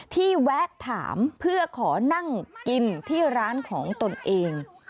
แวะถามเพื่อขอนั่งกินที่ร้านของตนเอง